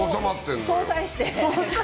相殺して。